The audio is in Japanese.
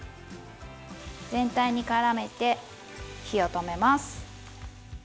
全体に絡めて火を止めます。